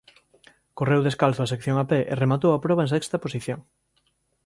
Correu descalzo a sección a pé e rematou a proba en sexta posición.